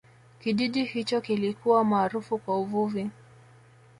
kijiji hicho kilikuwa maarufu kwa uvuvi